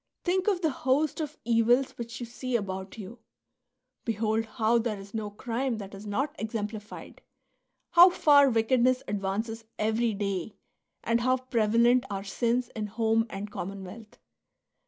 Think of the host of evils which you see about you ; behold how there is no crime that is not exemplified, how far wickedness advances every day, and how prevalent are sins in home and commonwealth.